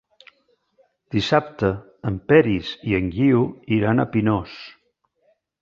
Dissabte en Peris i en Guiu iran a Pinós.